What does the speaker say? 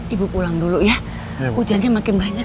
ibu pulang dulu ya hujannya makin banyak